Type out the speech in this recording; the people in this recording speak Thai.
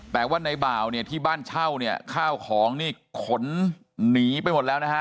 แต่ว่าในบ่าวเนี่ยที่บ้านเช่าเนี่ยข้าวของนี่ขนหนีไปหมดแล้วนะฮะ